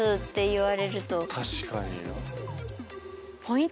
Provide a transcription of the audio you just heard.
確かに。